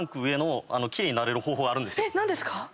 何ですか？